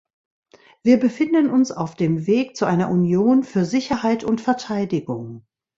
Wir befinden uns auf dem Weg zu einer Union für Sicherheit und Verteidigung.